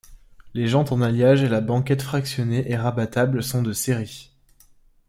Les jantes en alliage et la banquette fractionnée et rabattable sont de série.